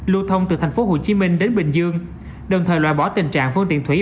lưu thông từ tp hcm đến bình dương đồng thời loại bỏ tình trạng phương tiện thủy